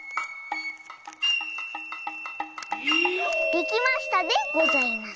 できましたでございます。